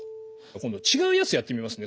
今度違うやつやってみますね。